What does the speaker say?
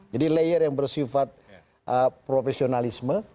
jadi layer yang bersifat profesionalisme